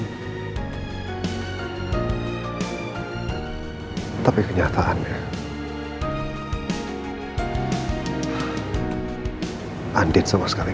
aku sudah pernah mengingatkan andin